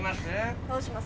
どうします？